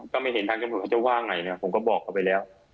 ก็ไม่เห็นทางจะว่าไงเนี่ยผมก็บอกเขาไปแล้ว